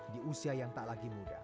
di usia yang tak lagi muda ketut kanta